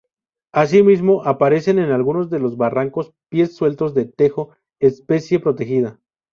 Asimismo, aparecen en alguno de los barrancos pies sueltos de tejo, especie protegida.